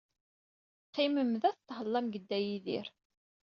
Qqimem da, tethellam deg Dda Yidir.